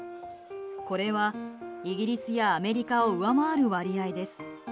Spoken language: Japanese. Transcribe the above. これはイギリスやアメリカを上回る割合です。